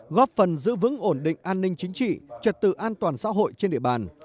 góp phần giữ vững ổn định an ninh chính trị trật tự an toàn xã hội trên địa bàn